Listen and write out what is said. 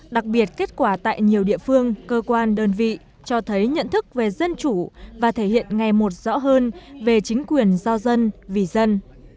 đặc biệt kết quả tại nhiều địa phương cơ quan đơn vị cho thấy nhận thức về dân chủ và thể hiện ngày một rõ hơn về chính quyền do dân vì dân